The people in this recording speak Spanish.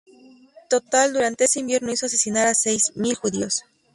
En total, durante ese verano hizo asesinar a seis mil judíos.